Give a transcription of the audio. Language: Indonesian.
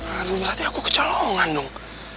aduh berarti aku kecolongan dong